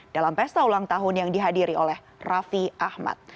dalam pesta ulang tahun yang dihadiri oleh raffi ahmad